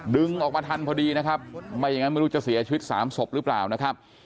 ดึงออกมาทันพอดีนะครับไม่อย่างนั้นไม่รู้จะเสียชีวิตสามศพหรือเปล่านะครับ